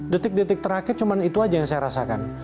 detik detik terakhir cuma itu aja yang saya rasakan